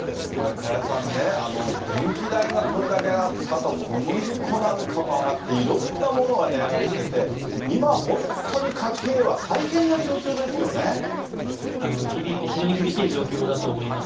加谷さんね、電気代がこれだけ上がったあと、小麦粉なんかも上がって、いろんなものがねあがりしてて今、本当に家計は大変な非常に厳しい状況だと思います。